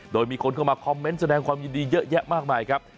โดยมีคนเข้ามาคอมเมนต์แสดงความยินดีเยอะแยะมากมายครับ